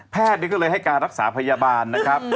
ก็เลยให้การรักษาพยาบาลนะครับ